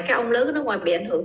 các ông lớn ở nước ngoài bị ảnh hưởng